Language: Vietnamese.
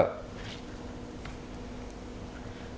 thưa quý vị